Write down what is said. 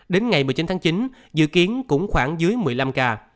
đến ngày một mươi chín tháng chín dự kiến cũng khoảng dưới một mươi năm ca